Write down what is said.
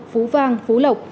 phú vang phú lộc